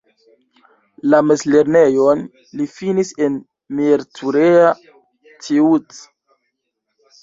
La mezlernejon li finis en Miercurea Ciuc.